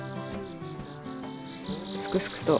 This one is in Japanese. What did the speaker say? すくすくと。